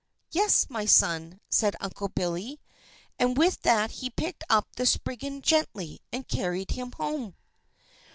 "Yes, my son," said Uncle Billy; and with that he picked up the Spriggan gently, and carried him home.